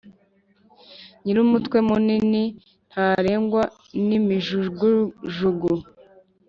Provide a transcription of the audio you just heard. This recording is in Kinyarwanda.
Nyirumutwe munini ntarengwa n’imijugujugu.